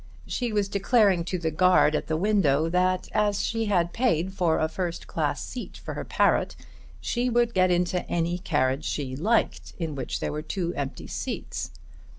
She was declaring to the guard at the window, that as she had paid for a first class seat for her parrot she would get into any carriage she liked in which there were two empty seats.